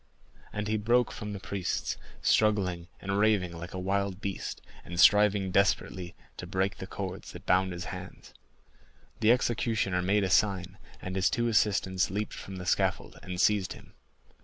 And he broke from the priests struggling and raving like a wild beast, and striving desperately to break the cords that bound his hands. The executioner made a sign, and his two assistants leaped from the scaffold and seized him.